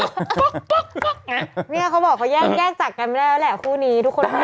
เนี่ยเขาบอกเขาแยกจากกันไม่ได้แล้วแหละคู่นี้ทุกคน